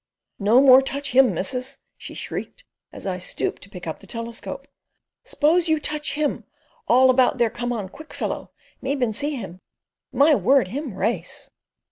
"No more touch him, missus!" she shrieked, as I stooped to pick up the telescope. "'Spose you touch him, all about there come on quick fellow. Me bin see him! My word him race!"